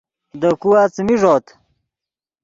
دے کھوا څیمی ݱوت